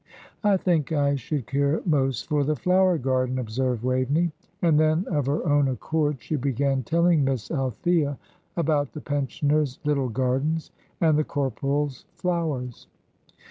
"I think I should care most for the flower garden," observed Waveney. And then, of her own accord, she began telling Miss Althea about the pensioners' little gardens, and the corporal's flowers.